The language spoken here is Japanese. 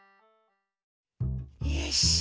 よし。